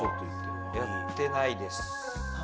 やってないです。